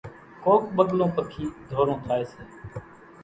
ڪَوڪَ ٻڳلون پکِي ڌورون ٿائيَ سي۔